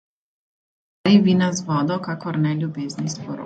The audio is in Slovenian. Ne kvari vina z vodo, kakor ne ljubezni s poroko.